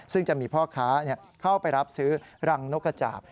ซึ่งจะมีพ่อค้าเข้าไปรับซื้อรังนกกระจาบ